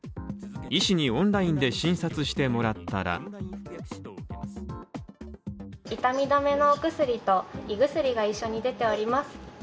医師にオンラインで診察してもらったら痛み止めのお薬と、胃薬が一緒に出ております。